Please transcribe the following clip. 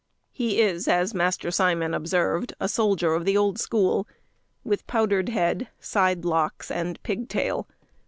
He is, as Master Simon observed, a soldier of the old school, with powdered head, side locks, and pigtail.